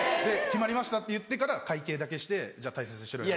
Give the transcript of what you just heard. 「決まりました」って言ってから会計だけして「じゃあ大切にしろよ」。